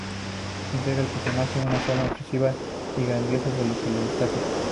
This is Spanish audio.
Integra al personaje una forma obsesiva y graciosas, que lo destacan.